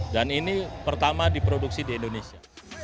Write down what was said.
dan ini pertama diproduksi di indonesia